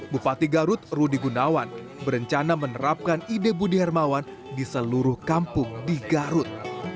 bupati garut rudi gunawan berencana menerapkan ide budi hermawan di seluruh kampung di garut